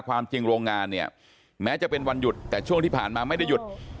ความจริงโรงงานเนี่ยแม้จะเป็นวันหยุดแต่ช่วงที่ผ่านมาไม่ได้หยุด